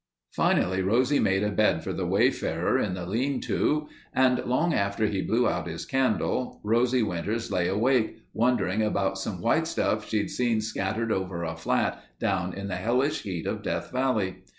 Finally Rosie made a bed for the wayfarer in the lean to and long after he blew out his candle Rosie Winters lay awake, wondering about some white stuff she'd seen scattered over a flat down in the hellish heat of Death Valley.